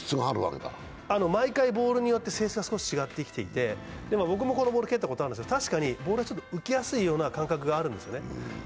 毎回、ボールによって性質が少し違ってきていて僕もこのボール蹴ったことがあるんですけど確かにボールがちょっと浮きやすい感覚があるんですね。